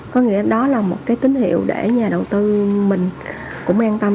có nghĩa đó là một cái tín hiệu để nhà đầu tư mình cũng an tâm